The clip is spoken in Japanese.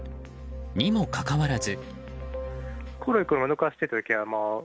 にもかかわらず。